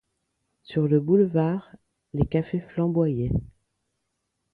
Sur le boulevard, les cafés flamboyaient.